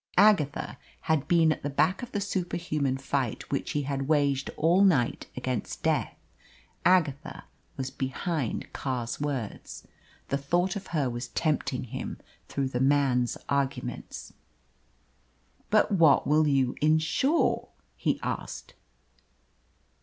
Agatha had been at the back of the superhuman fight which he had waged all night against death. Agatha was behind Carr's words. The thought of her was tempting him through the man's arguments. "But what will you insure?" he asked.